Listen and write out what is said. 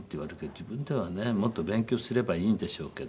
自分ではねもっと勉強すればいいんでしょうけど。